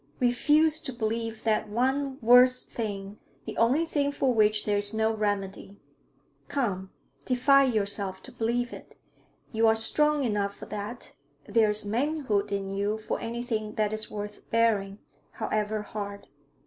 Refuse to believe that one worst thing, the only thing for which there is no remedy. Come, defy yourself to believe it! You are strong enough for that; there is manhood in you for anything that is worth bearing, however hard.'